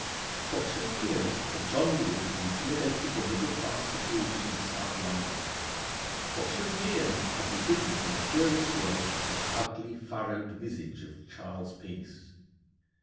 For two years had John Ward intimidated the middle class seclusion of South London; for two years had he hidden from a curious world the ugly, furrowed visage of Charles Peace.